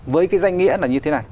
với cái danh nghĩa là như thế này